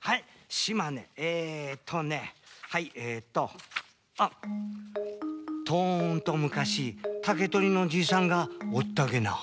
はい島根えっとねはいえっと「とんとむかし竹取のじいさんがおったげな」。